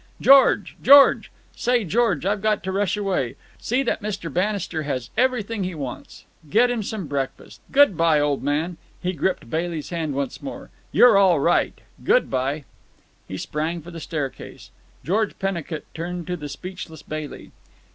George! George! Say, George, I've got to rush away. See that Mr. Bannister has everything he wants. Get him some breakfast. Good bye, old man." He gripped Bailey's hand once more. "You're all right. Good bye!" He sprang for the staircase. George Pennicut turned to the speechless Bailey.